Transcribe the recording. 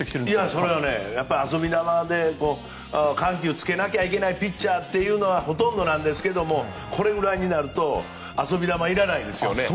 それは遊び球で緩急をつけなきゃいけないピッチャーというのがほとんどなんですがこれくらいになると遊び球、いらないですね。